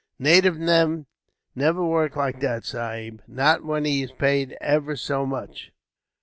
"Native man never work like that, sahib. Not when he's paid ever so much.